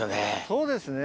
そうですね。